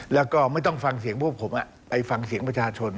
แล้วก็ไม่ต้องฟังเสียงพวกผมไปฟังเสียงประชาชน